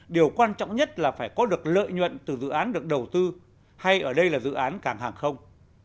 điều quan trọng nhất là phải có được lợi nhuận từ dự án được đầu tư hay ở đây là dự án cảng hàng không